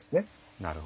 なるほど。